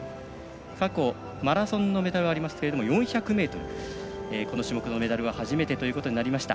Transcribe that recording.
過去、マラソンのメダルはありましたけど４００ｍ、この種目のメダルは初めてということになりました。